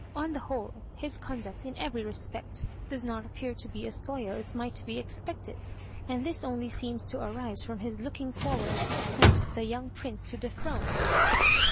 On the whole, his conduct, in every respect, does not appear to be as loyal as might be expected, and this only seems to arise from his looking forward to the ascent of the young Prince to the throne."